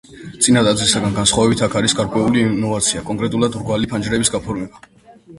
წინა ტაძრისაგან განსხვავებით აქ არის გარკვეული ინოვაცია, კონკრეტულად, მრგვალი ფანჯრების გაფორმება.